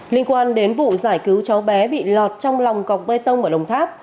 linh quan đến vụ giải cứu chó bé bị lọt trong lòng cọc bê tông ở đồng tháp